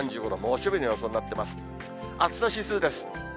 暑さ指数です。